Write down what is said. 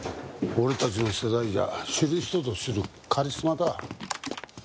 俺たちの世代じゃ知る人ぞ知るカリスマだ。